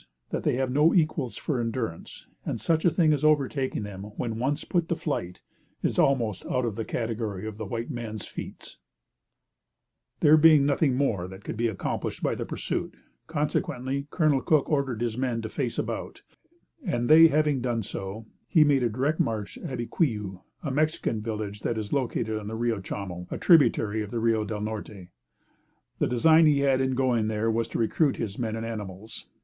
that they have no equals for endurance, and such a thing as overtaking them when once put to flight is almost out of the category of the white man's feats. [Footnote 25: Company D, 2d Regiment U.S. Artillery.] There being nothing more that could be accomplished by the pursuit, consequently, Col. Cook ordered his men to face about, and they having done so, he made a direct march to Abiquiu, a Mexican village that is located on the Rio Chamo, a tributary of the Rio del Norte. The design he had in going there was to recruit his men and animals.